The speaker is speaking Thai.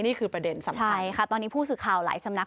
นี่คือประเด็นสำคัญค่ะตอนนี้ผู้สื่อข่าวหลายสำนัก